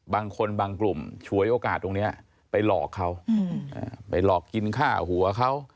บางคนบางกลุ่มฉวยโอกาสตรงนี้ไปหลอกเขาไปหลอกกินฆ่าหัวเขา